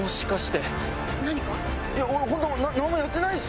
何か？